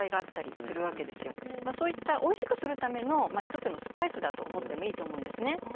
そういったおいしくするための一つのスパイスだと思ってもいいと思うんですね。